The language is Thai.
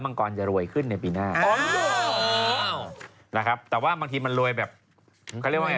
มังกรจะรวยขึ้นในปีหน้าแต่ว่ามันรวยแบบทุกธราบ